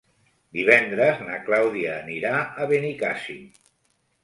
Divendres na Clàudia anirà a Benicàssim.